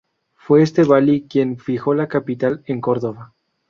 Fue este valí quien fijó la capital en Córdoba.